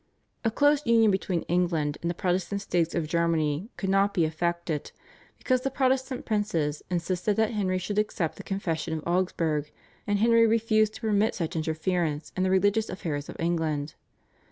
A close union between England and the Protestant states of Germany could not be effected, because the Protestant princes insisted that Henry should accept the Confession of Augsburg, and Henry refused to permit such interference in the religious affairs of England.